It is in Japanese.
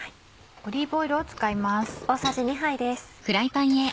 オリーブオイルを使います。